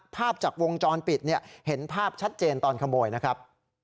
ภาพจากวงจรปิดเห็นภาพชัดเจนตอนขโมยนะครับ